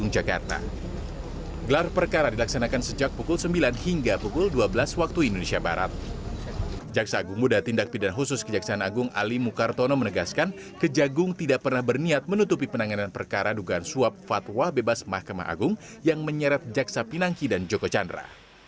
jaksa pinangki dan jokocandra